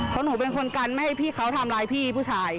เพราะหนูเป็นคนกันไม่ให้พี่เขาทำร้ายพี่ผู้ชาย